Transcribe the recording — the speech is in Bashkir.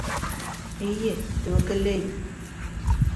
Эйе, тәүәкәлләйбеҙ.